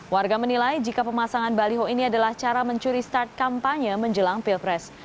warga menilai jika pemasangan baliho ini adalah cara mencuri start kampanye menjelang pilpres